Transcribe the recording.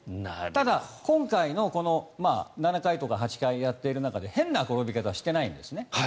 ただ、今回の７回とか８回やっている中で変な転び方してないんですね。